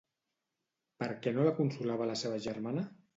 Per què no la consolava la seva germana?